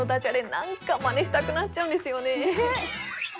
何かマネしたくなっちゃうんですよね